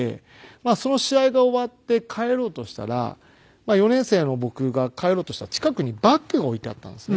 その試合が終わって帰ろうとしたら４年生の僕が帰ろうとしたら近くにバッグが置いてあったんですね。